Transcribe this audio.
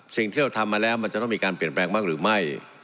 สิ่งที่เราทำมาแล้วมันจะต้องมีการเปลี่ยนแปลงบ้างหรือไม่